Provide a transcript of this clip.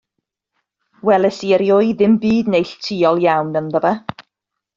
Welis i erioed ddim byd neilltuol iawn ynddo fo.